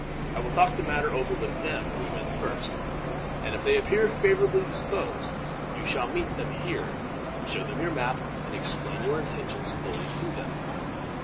I will talk the matter over with them, Reuben, first; and if they appear favorably disposed, you shall meet them here, show them your map, and explain your intentions fully to them.